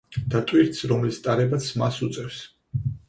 და ტვირთს, რომლის ტარებაც მას უწევს.